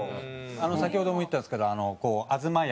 先ほども言ったんですけどこう東家。